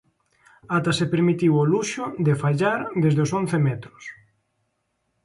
Ata se permitiu o luxo de fallar desde os once metros.